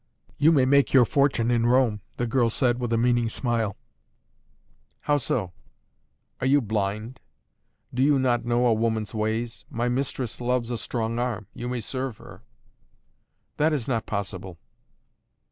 "You may make your fortune in Rome," the girl said with a meaning smile. "How so?" "Are you blind? Do you not know a woman's ways? My mistress loves a strong arm. You may serve her." "That is not possible!"